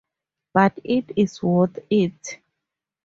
But it is worth it.